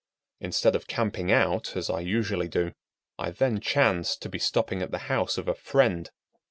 Instead of camping out, as I usually do, I then chanced to be stopping at the house of a friend.